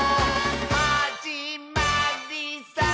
「はじまりさー」